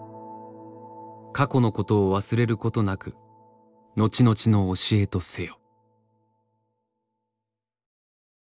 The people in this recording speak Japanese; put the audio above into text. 「過去のことを忘れることなく後々の教えとせよ」。